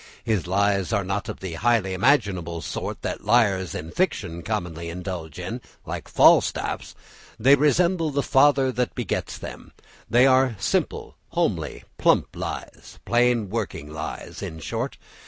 His lies are not of the highly imaginative sort that liars in fiction commonly indulge in; like Falstaff's, they resemble the father that begets them; they are simple, homely, plump lies; plain working lies, in short.